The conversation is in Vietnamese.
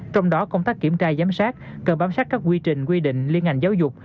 trong đó công tác kiểm tra giám sát cần bám sát các quy trình quy định liên ngành giáo dục